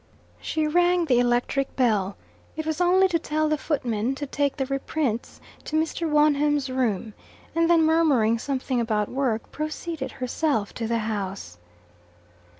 She rang the electric bell, it was only to tell the footman to take the reprints to Mr. Wonham's room, and then murmuring something about work, proceeded herself to the house.